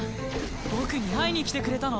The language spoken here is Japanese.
僕に会いにきてくれたの？